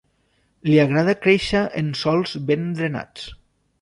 Li agrada créixer en sòls ben drenats.